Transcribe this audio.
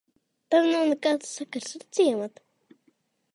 Tam nav nekāds sakars ar ciematu.